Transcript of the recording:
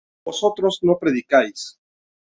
vosotros no predicáis